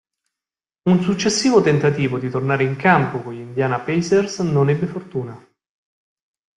Un successivo tentativo di tornare in campo con gli Indiana Pacers non ebbe fortuna.